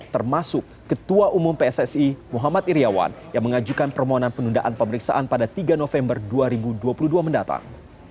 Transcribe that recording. termasuk ketua umum pssi muhammad iryawan yang mengajukan permohonan penundaan pemeriksaan pada tiga november dua ribu dua puluh dua mendatang